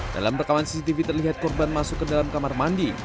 dalam rekaman cctv terlihat korban masuk ke dalam kamar mandi